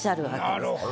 なるほど。